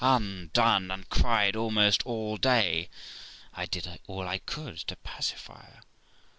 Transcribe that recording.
undone ! and cried almost all day. I did all I could to pacify her.